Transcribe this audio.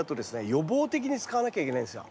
予防的に使わなきゃいけないんですよ。